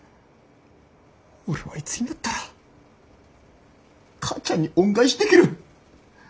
俺はいつになったら母ちゃんに恩返しできる？